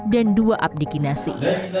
dan dua abdiki nasi